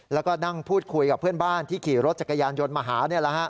แล้วก็นั่งพูดคุยกับเพื่อนบ้านที่ขี่รถจักรยานยนต์มาหา